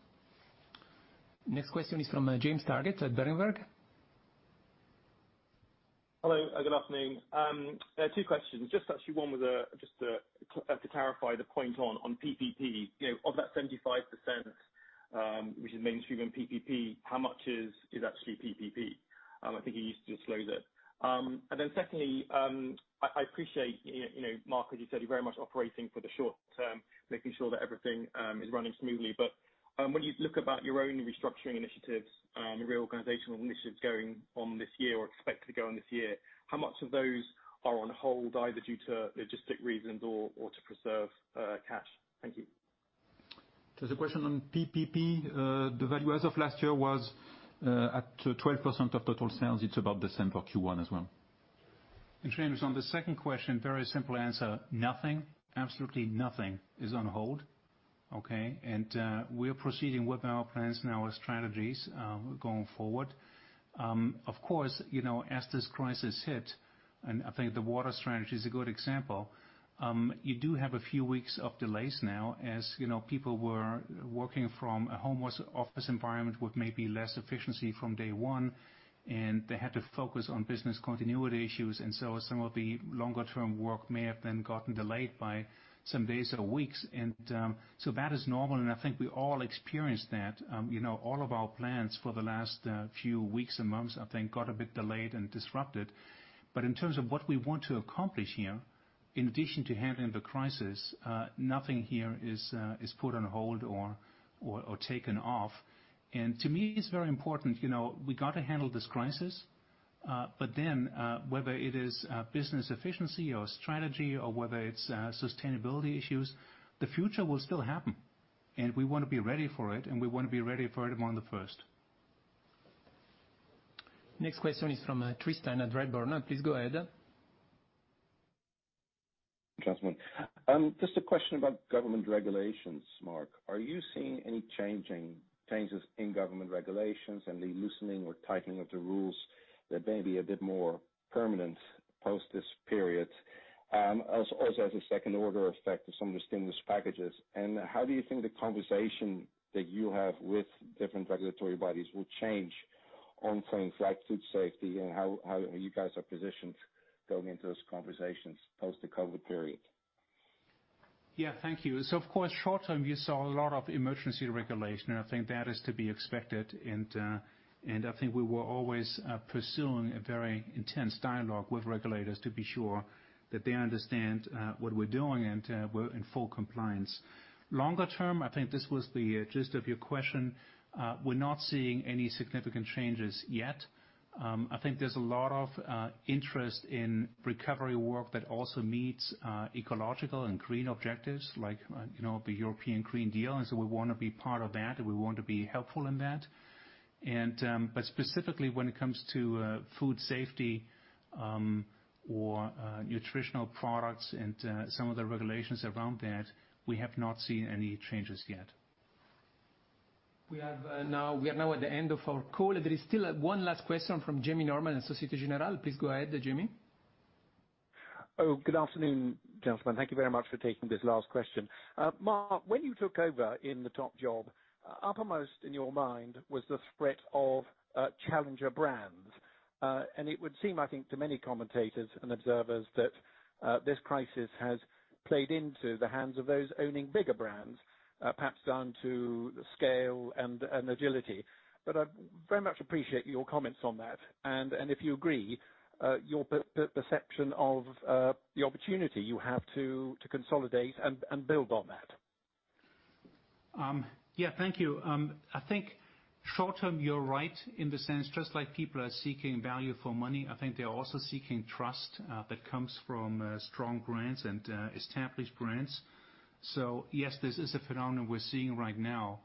Next question is from James Targett at Berenberg. Hello, good afternoon. Two questions. Just actually one with just to clarify the point on PPP. Of that 75%, which is mainstream and PPP, how much is actually PPP? I think you used to disclose it. Secondly, I appreciate Mark, as you said, you're very much operating for the short term, making sure that everything is running smoothly. When you look about your own restructuring initiatives and re-organizational initiatives going on this year or expect to go on this year, how much of those are on hold, either due to logistic reasons or to preserve cash? Thank you. The question on PPP, the value as of last year was at 12% of total sales. It's about the same for Q1 as well. James, on the second question, very simple answer. Nothing, absolutely nothing is on hold, okay. We're proceeding with our plans and our strategies going forward. Of course, as this crisis hit, and I think the water strategy is a good example, you do have a few weeks of delays now, as people were working from a home office environment with maybe less efficiency from day one, and they had to focus on business continuity issues. Some of the longer term work may have then gotten delayed by some days or weeks. That is normal, and I think we all experienced that. All of our plans for the last few weeks and months, I think, got a bit delayed and disrupted. In terms of what we want to accomplish here, in addition to handling the crisis, nothing here is put on hold or taken off. To me, it's very important. We got to handle this crisis, but then, whether it is business efficiency or strategy or whether it's sustainability issues, the future will still happen. We want to be ready for it, and we want to be ready for it on the first. Next question is from Tristan at Redburn. Please go ahead. Tristan, just a question about government regulations, Mark. Are you seeing any changes in government regulations and the loosening or tightening of the rules that may be a bit more permanent post this period? Also, as a second-order effect of some of the stimulus packages. How do you think the conversation that you have with different regulatory bodies will change on things like food safety and how you guys are positioned going into those conversations post the COVID-19 period? Yeah, thank you. Of course, short term, you saw a lot of emergency regulation, I think that is to be expected. I think we were always pursuing a very intense dialogue with regulators to be sure that they understand what we're doing and we're in full compliance. Longer term, I think this was the gist of your question, we're not seeing any significant changes yet. I think there's a lot of interest in recovery work that also meets ecological and green objectives like the European Green Deal. We want to be part of that, and we want to be helpful in that. Specifically when it comes to food safety, or nutritional products and some of the regulations around that, we have not seen any changes yet. We are now at the end of our call. There is still one last question from Jamie Norman, Société Générale. Please go ahead, Jamie. Oh, good afternoon, gentlemen. Thank you very much for taking this last question. Mark, when you took over in the top job, uppermost in your mind was the threat of challenger brands. It would seem, I think, to many commentators and observers that this crisis has played into the hands of those owning bigger brands, perhaps down to scale and agility. I'd very much appreciate your comments on that and, if you agree, your perception of the opportunity you have to consolidate and build on that. Yeah. Thank you. I think short term you're right in the sense just like people are seeking value for money, I think they're also seeking trust that comes from strong brands and established brands. Yes, this is a phenomenon we're seeing right now.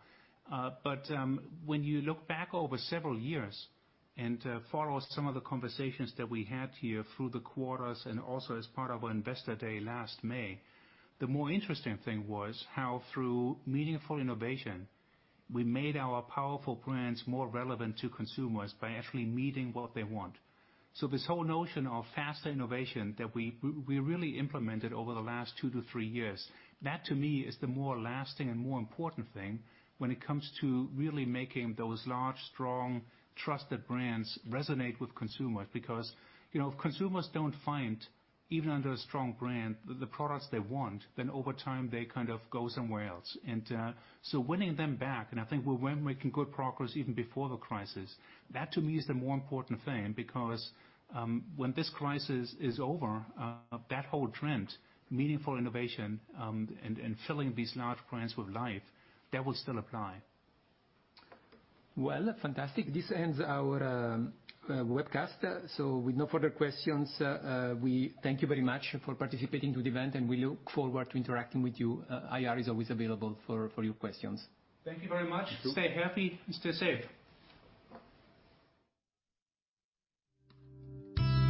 When you look back over several years and follow some of the conversations that we had here through the quarters and also as part of our investor day last May, the more interesting thing was how through meaningful innovation, we made our powerful brands more relevant to consumers by actually meeting what they want. This whole notion of faster innovation that we really implemented over the last two to three years, that to me is the more lasting and more important thing when it comes to really making those large, strong, trusted brands resonate with consumers. If consumers don't find, even under a strong brand, the products they want, then over time they go somewhere else. Winning them back, and I think we were making good progress even before the crisis. That to me is the more important thing because when this crisis is over, that whole trend, meaningful innovation, and filling these large brands with life, that will still apply. Well, fantastic. This ends our webcast. With no further questions, we thank you very much for participating to the event, and we look forward to interacting with you. IR is always available for your questions. Thank you very much. Stay happy and stay safe.